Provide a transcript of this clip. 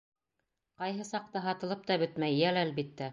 Ҡайһы саҡта һатылып та бөтмәй, йәл, әлбиттә.